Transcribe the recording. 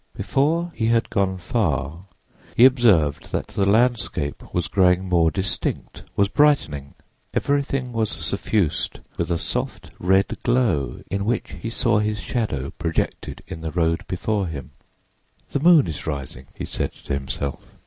Before he had gone far he observed that the landscape was growing more distinct—was brightening. Everything was suffused with a soft, red glow in which he saw his shadow projected in the road before him. "The moon is rising," he said to himself.